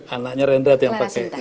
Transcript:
anaknya rendra yang pakai